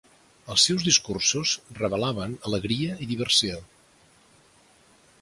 Els seus discursos revelaven alegria i diversió.